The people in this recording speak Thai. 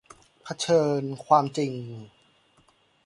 เผชิญความจริง